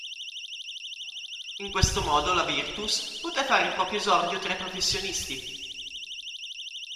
In questo modo la Virtus poté fare il proprio esordio tra i professionisti.